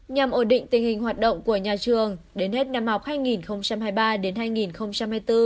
nhằm ổn định tình hình hoạt động của nhà trường đến hết năm học hai nghìn hai mươi ba đến hai nghìn hai mươi bốn